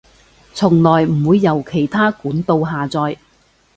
從來唔會由其它管道下載